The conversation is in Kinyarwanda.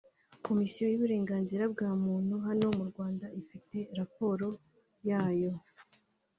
Komisiyo y’uburenzira bwa muntu hano mu Rwanda ifite raporo yayo